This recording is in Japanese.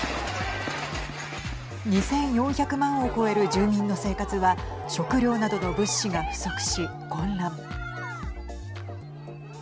２４００万を超える住民の生活は食料などの物資が不足し混乱。